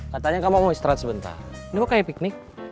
katanya kamu mau istirahat sebentar ini kok kayak piknik